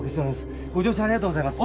ご乗車ありがとうございます